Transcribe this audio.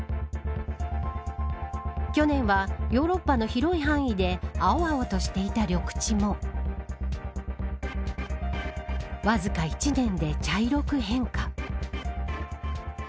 去年は、ヨーロッパの広い範囲で青々としていた緑地もわずか１年で茶色く変化。